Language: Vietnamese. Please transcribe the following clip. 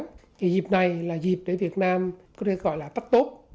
thì dịp này là dịp để việt nam có thể gọi là tắt tốt